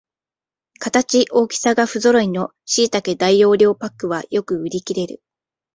形、大きさがふぞろいのしいたけ大容量パックはよく売りきれる